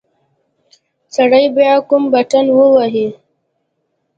سړي بيا کوم بټن وواهه.